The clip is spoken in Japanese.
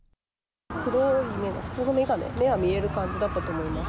黒い普通の眼鏡、目は見える感じだったと思います。